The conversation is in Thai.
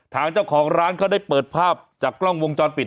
ทางเจ้าของร้านเขาได้เปิดภาพจากกล้องวงจรปิด